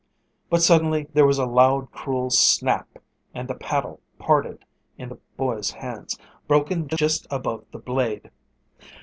But suddenly there was a loud, cruel snap, and the paddle parted in the boy's hands, broken just above the blade!